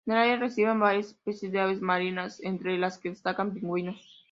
En el área residen varias especies de aves marinas, entre las que destacan pingüinos.